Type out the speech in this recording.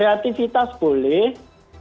tetapi tetap harus memperhatikan etika